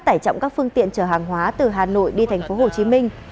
tải trọng các phương tiện chở hàng hóa từ hà nội đi tp hcm